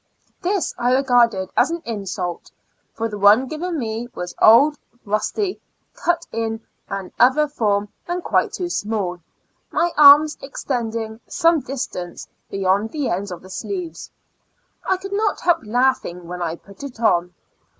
This I regarded as an insult, for the one given me was old, rusty, cut in an other form, and quite too small, my arms extending some distance beyond the ends of the sleeves. I could not help laughing when I put it on.